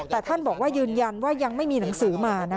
แต่ท่านบอกว่ายืนยันว่ายังไม่มีหนังสือมา